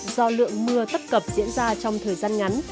do lượng mưa tất cậm diễn ra trong thời gian ngắn